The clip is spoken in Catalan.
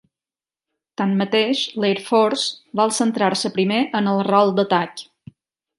Tanmateix, l'Air Force vol centrar-se primer en el rol d'atac.